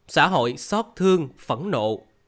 xã hội xót thương phẫn nộ